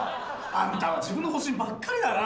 あなたは自分の保身ばっかりだな！